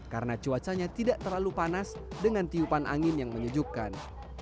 karena cuacanya tidak terlalu panas dengan tiupan angin yang menyejukkan